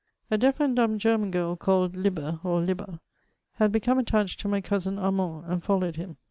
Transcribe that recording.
A deaf and dumb German girl, called libbe or libba, had become attached to my cousin Armand, and followed him.